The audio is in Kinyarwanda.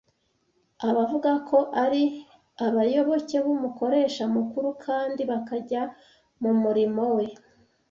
Abavuga ko ari abayoboke b’Umukoresha Mukuru kandi bakajya mu murimo we